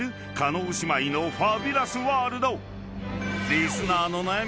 ［リスナーの悩み